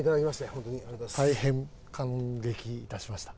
大変感激いたしました。